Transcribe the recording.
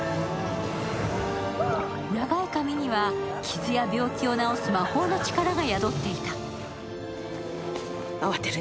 長い髪には傷や病気を治す魔法の力が宿っていた。